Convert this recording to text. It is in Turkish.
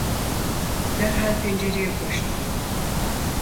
Derhal pencereye koştum.